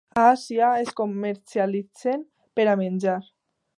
A Àsia es comercialitzen per a menjar.